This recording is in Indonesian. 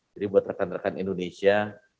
jadi buat rekan rekan indonesia